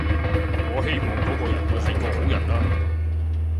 我希望嗰個人會係個好人啦